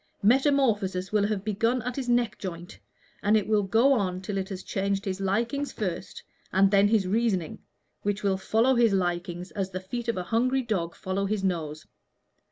Metamorphosis will have begun at his neck joint, and it will go on till it has changed his likings first and then his reasoning, which will follow his likings as the feet of a hungry dog follow his nose.